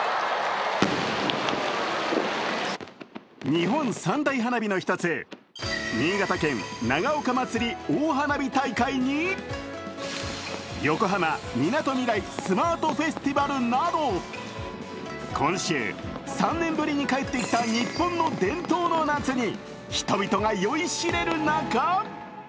日本三大花火の一つ、新潟県長岡まつり大花火大会に横浜みなとみらいスマートフェスティバルなど今週、３年ぶりに帰ってきた日本の伝統の夏に人々が酔いしれる中